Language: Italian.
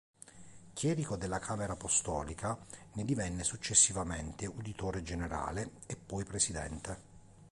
Chierico della Camera Apostolica, ne divenne successivamente uditore generale e poi presidente.